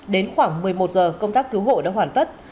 đến khoảng một mươi một giờ công tác cứu hộ đã hoàn tất